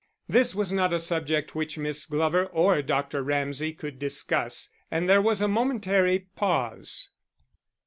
This was not a subject which Miss Glover or Dr. Ramsay could discuss, and there was a momentary pause.